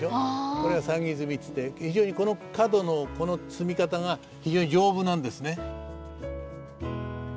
これが算木積みっていって非常にこの角のこの積み方が非常に丈夫なんですね。